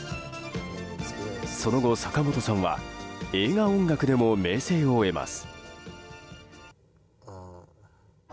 その後、坂本さんは映画音楽でも名声を得ます。